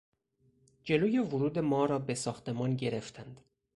جلوی ورود ما را به ساختمان گرفتند.